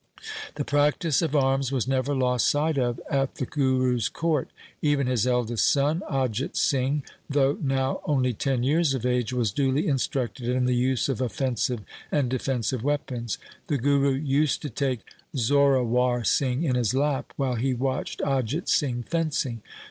The practice of arms was never lost sight of at the Guru's court. Even his eldest son, Ajit Singh, though now only ten years of age, was duly instructed in the 6o THE SIKH RELIGION use of offensive and defensive weapons. The Guru used to take Zorawar Singh in his lap while he watched Ajit Singh fencing.